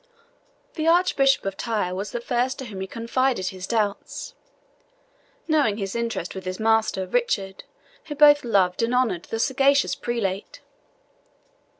The Archbishop of Tyre was the first to whom he confided his doubts, knowing his interest with his master, Richard, who both loved and honoured that sagacious prelate.